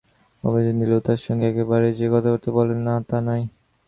অবশ্যি নীলু তাঁর সঙ্গে একেবারেই যে কথাবার্তা বলে না, তা নয়।